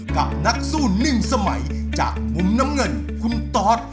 กับนักสู้หนึ่งสมัยจากมุมน้ำเงินคุณตอส